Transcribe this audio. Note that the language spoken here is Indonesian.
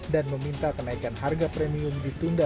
dan meminta kenaikan harga premium ditunggu